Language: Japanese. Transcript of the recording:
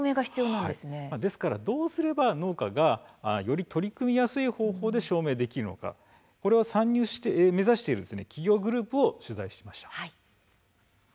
どうすれば農家がより取り組みやすい方法で証明できるのか参入を目指している企業グループを取材しました。